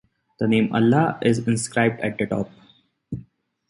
The name Allah is inscribed at the top.